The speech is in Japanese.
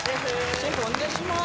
・シェフお願いします